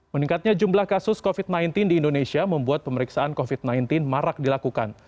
meningkatnya jumlah kasus covid sembilan belas di indonesia membuat pemeriksaan covid sembilan belas marak dilakukan